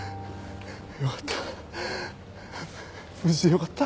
よかった。